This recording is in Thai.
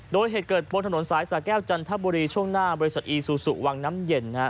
โดยเหตุเกิดบนถนนสายสาแก้วจันทบุรีช่วงหน้าบริษัทอีซูซูวังน้ำเย็น